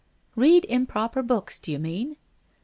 ' Read improper books, do you mean ?